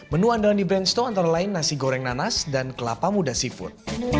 menu andalan di brandstow antara lain nasi goreng nanas dan kelapa muda seafood